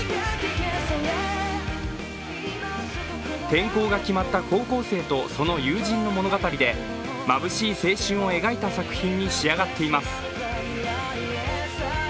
転校が決まった高校生とその友人の物語でまぶしい青春を描いた作品に仕上がっています。